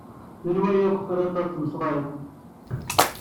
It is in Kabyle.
D anwa yakk triṭ ad tmeslayeṭ?